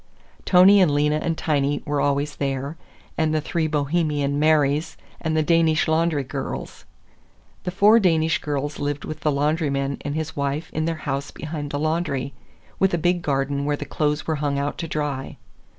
Tony and Lena and Tiny were always there, and the three Bohemian Marys, and the Danish laundry girls. The four Danish girls lived with the laundryman and his wife in their house behind the laundry, with a big garden where the clothes were hung out to dry.